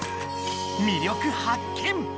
魅力発見！